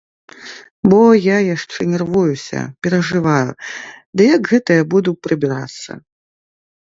Бо я яшчэ нервуюся, перажываю, ды як гэта я буду прыбірацца.